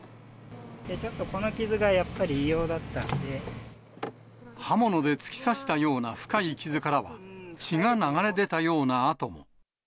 この傷がやっぱり異様だった刃物で突き刺したような深い傷からは、血が流れ出たような跡も。